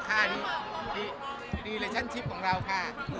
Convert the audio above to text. เอ้าค่ะดีดีแล้วชั้นชิปของเราค่ะ